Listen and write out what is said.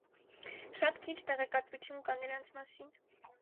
Շատ քիչ տեղեկատվություն կա նրանց մասին։